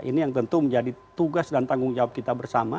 ini yang tentu menjadi tugas dan tanggung jawab kita bersama